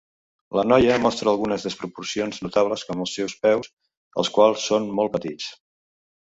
La noia mostra algunes desproporcions notables com els seus peus, els quals són molt petits.